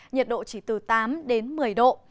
nhiệt độ chỉ từ tám một mươi độ